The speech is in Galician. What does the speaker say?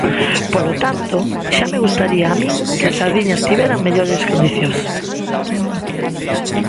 Polo tanto, xa me gustaría a min que as sardiñas tiveran mellores condicións.